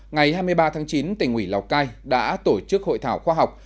ngày hai mươi ba tháng chín tỉnh ủy lào cai đã tổ chức hội thảo khoa học